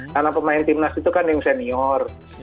karena pemain tim nas itu kan yang senior